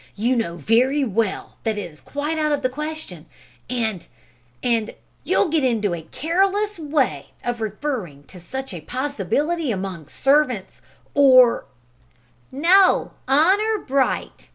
You know very well that it is quite out of the question, and and you'll get into a careless way of referring to such a possibility among servants or " "No; honour bright!"